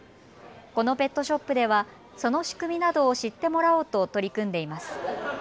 このペットショップではその仕組みなどを知ってもらおうと取り組んでいます。